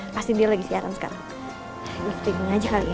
pastiin dia lagi siaran sekarang gifting aja kali ya